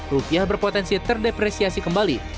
rupiah berpotensi terdepresiasi kembali